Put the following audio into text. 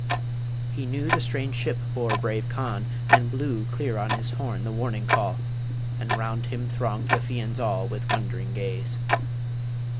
He knew The strange ship bore brave Conn, and blew Clear on his horn the Warning Call; And round him thronged the Fians all With wond'ring gaze.